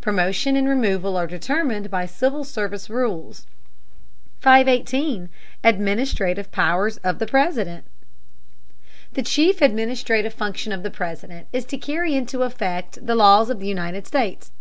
Promotion and removal are determined by Civil Service rules. 518. ADMINISTRATIVE POWERS OF THE PRESIDENT. The chief administrative function of the President is to carry into effect the laws of the United States.